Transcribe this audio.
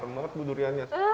rasa marah banget bu duriannya